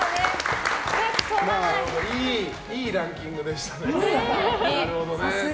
いいランキングでしたね。